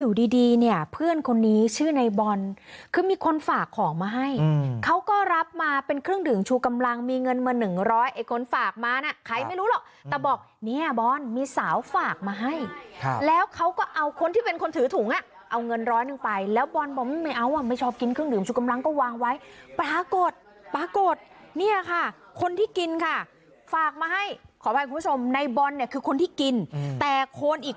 อยู่ดีดีเนี่ยเพื่อนคนนี้ชื่อในบอลคือมีคนฝากของมาให้เขาก็รับมาเป็นเครื่องดื่มชูกำลังมีเงินมาหนึ่งร้อยไอ้คนฝากมาน่ะใครไม่รู้หรอกแต่บอกเนี่ยบอลมีสาวฝากมาให้แล้วเขาก็เอาคนที่เป็นคนถือถุงอ่ะเอาเงินร้อยหนึ่งไปแล้วบอลบอกไม่เอาอ่ะไม่ชอบกินเครื่องดื่มชูกำลังก็วางไว้ปรากฏปรากฏเนี่ยค่ะคนที่กินค่ะฝากมาให้ขออภัยคุณผู้ชมในบอลเนี่ยคือคนที่กินแต่คนอีก